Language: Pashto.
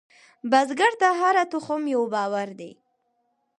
بزګر ته هره تخم یو باور دی